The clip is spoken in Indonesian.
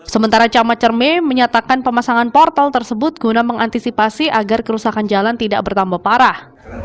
sementara camat cerme menyatakan pemasangan portal tersebut guna mengantisipasi agar kerusakan jalan tidak bertambah parah